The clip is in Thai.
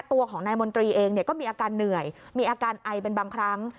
ตัวของนายมนตรีเองก็มีอาการเหนื่อยมีอาการไอเป็นบางครั้ง